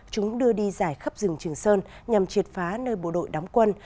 chúng đưa đi dài khắp rừng trường sơn nhằm triệt phá nơi bộ đội đóng quân